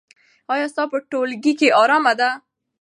ایا ستا په ټولګي کې ارامي ده؟